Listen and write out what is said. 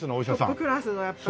トップクラスのやっぱり。